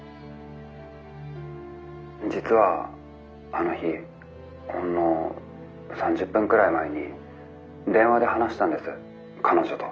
「実はあの日ほんの３０分くらい前に電話で話したんです彼女と。